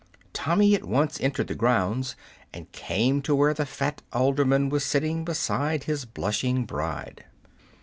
Tommy at once entered the grounds, and came to where the fat alderman was sitting beside his blushing bride.